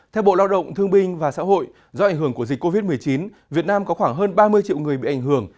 theo bộ lao động thương binh và xã hội do ảnh hưởng của dịch covid một mươi chín việt nam có khoảng hơn ba mươi triệu người bị ảnh hưởng